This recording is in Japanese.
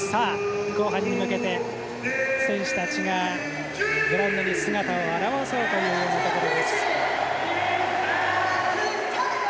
後半に向けて、選手たちがグラウンドに姿を現そうというところ。